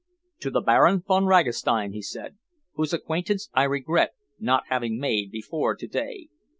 "To the Baron Von Ragastein," he said, "whose acquaintance I regret not having made before to day.